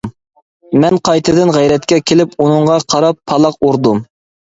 مەن قايتىدىن غەيرەتكە كېلىپ ئۇنىڭغا قاراپ پالاق ئۇردۇم.